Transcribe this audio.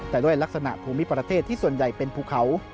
แต่ด้วยลักษณะภูมิประเทศที่ส่วนใหญ่เป็นภูเขา